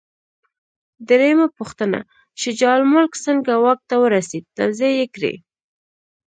درېمه پوښتنه: شجاع الملک څنګه واک ته ورسېد؟ توضیح یې کړئ.